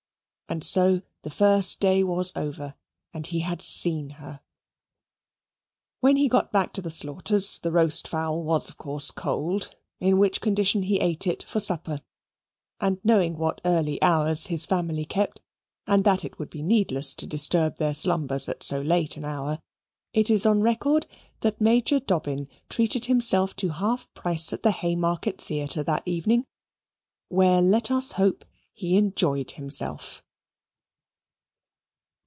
And so the first day was over, and he had seen her. When he got back to the Slaughters', the roast fowl was of course cold, in which condition he ate it for supper. And knowing what early hours his family kept, and that it would be needless to disturb their slumbers at so late an hour, it is on record, that Major Dobbin treated himself to half price at the Haymarket Theatre that evening, where let us hope he enjoyed himself.